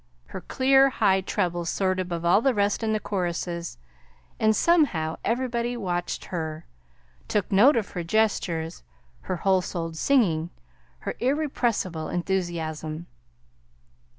Her clear high treble soared above all the rest in the choruses, and somehow everybody watched her, took note of her gestures, her whole souled singing, her irrepressible enthusiasm.